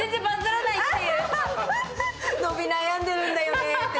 伸び悩んでるんだよねって。